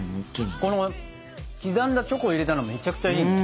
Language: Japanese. この刻んだチョコを入れたのめちゃくちゃいいね。